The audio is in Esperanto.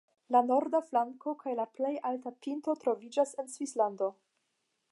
La norda flanko kaj la plej alta pinto troviĝas en Svislando.